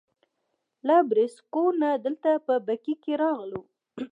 له بریساګو نه دلته په بګۍ کې راغلو.